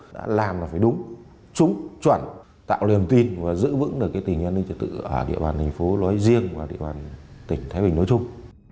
đã làm là phải đúng trúng chuẩn tạo liềm tin và giữ vững được cái tình hình an ninh trật tự ở địa bàn thành phố nói riêng và địa bàn tỉnh thái bình nói chung